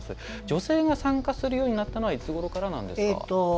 女性が参加するようになったのはいつごろからなんですか。